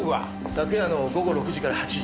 昨夜の午後６時から８時。